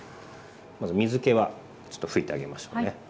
まず水けはちょっと拭いてあげましょうね。